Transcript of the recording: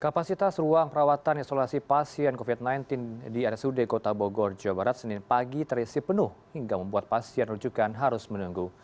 kapasitas ruang perawatan isolasi pasien covid sembilan belas di rsud kota bogor jawa barat senin pagi terisi penuh hingga membuat pasien rujukan harus menunggu